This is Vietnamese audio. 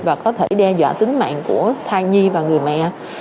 và có thể đe dọa tính mạng của thai nhi và người mẹ